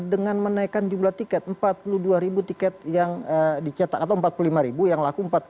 dengan menaikkan jumlah tiket empat puluh dua ribu tiket yang dicetak atau empat puluh lima ribu yang laku empat puluh